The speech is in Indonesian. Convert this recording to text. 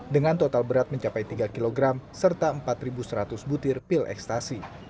dengan total berat mencapai tiga kg serta empat seratus butir pil ekstasi